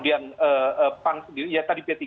yang pan sendiri ya tadi p tiga